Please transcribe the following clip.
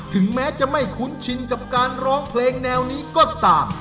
ถึงแม้จะไม่คุ้นชินกับการร้องเพลงแนวนี้ก็ตาม